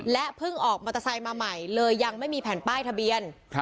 เพิ่งออกมอเตอร์ไซค์มาใหม่เลยยังไม่มีแผ่นป้ายทะเบียน